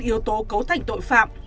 yếu tố cấu thành tội phạm